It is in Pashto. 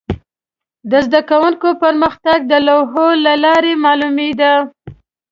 د زده کوونکو پرمختګ د لوحو له لارې معلومېده.